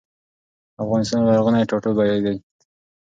افغانستان يو لرغوني ټاټوبي دي